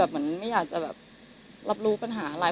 เขาก็เลยไม่อยากจะรับรู้ปัญหาอะไร